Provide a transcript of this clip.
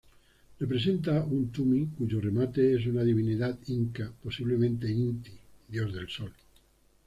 Representa un tumi cuyo remate es una divinidad inca, posiblemente Inti, dios del sol.